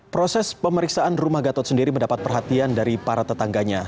proses pemeriksaan rumah gatot sendiri mendapat perhatian dari para tetangganya